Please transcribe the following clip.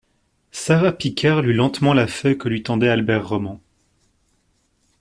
Sara Picard lut lentement la feuille que lui tendait Albert Roman.